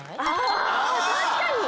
あ確かに！